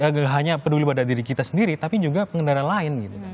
tidak hanya peduli pada diri kita sendiri tapi juga pengendara lain